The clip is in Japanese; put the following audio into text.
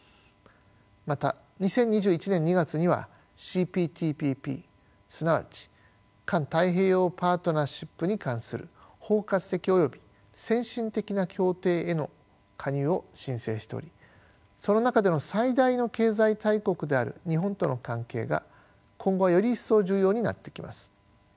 また２０２１年２月にはＣＰＴＰＰすなわち環太平洋パートナーシップに関する包括的および先進的な協定への加入を申請しておりその中での最大の経済大国である日本との関係が今後はより一層重要になってきます。